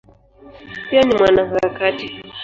Pia ni mwanaharakati.